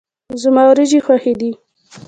زما وريجي خوښي دي.